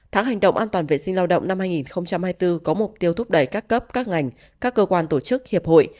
tháng hành động an toàn vệ sinh lao động năm hai nghìn hai mươi bốn có mục tiêu thúc đẩy các cấp các ngành các cơ quan tổ chức hiệp hội